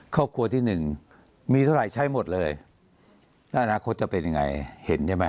ครอบครัวที่หนึ่งมีเท่าไหร่ใช้หมดเลยแล้วอนาคตจะเป็นยังไงเห็นใช่ไหม